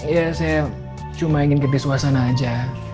iya saya cuma ingin ketemu di suasana aja